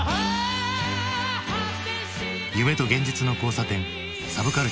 夢と現実の交差点サブカルチャー。